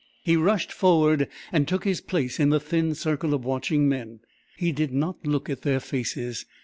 He rushed forward and took his place in the thin circle of watching men. He did not look at their faces.